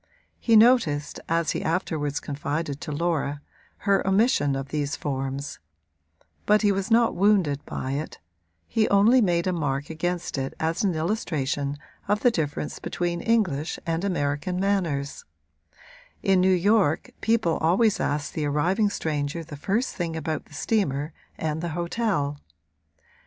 He noticed, as he afterwards confided to Laura, her omission of these forms; but he was not wounded by it he only made a mark against it as an illustration of the difference between English and American manners: in New York people always asked the arriving stranger the first thing about the steamer and the hotel.